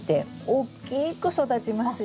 おっきく育ちますよね。